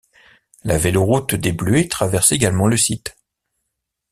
La véloroute des bleuets traverse également le site.